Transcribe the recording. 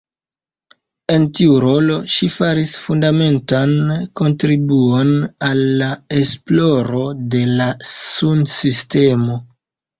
En tiu rolo, ŝi faris fundamentan kontribuon al la esploro de la sunsistemo.